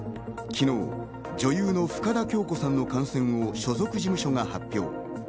昨日、女優の深田恭子さんの感染を所属事務所が発表。